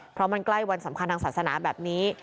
เพราะมันใกล้วันสำคัญทางศาสนาแบบนี้